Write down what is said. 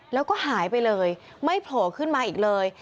แล้วก็หายไปเลยไม่โผล่ขึ้นมาอีกเลย